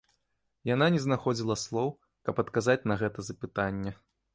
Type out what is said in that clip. Яна не знаходзіла слоў, каб адказаць на гэта запытанне.